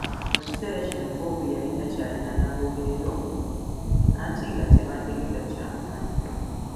Mu kiseera kino Bob yali takyalina na bwogerero anti nga Tebandeke takyamumanyi.